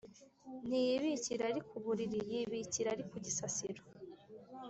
Ntiyibikira ari ku Buriri, yibikira ari ku gisasiro